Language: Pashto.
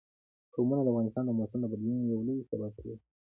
قومونه د افغانستان د موسم د بدلون یو لوی سبب کېږي.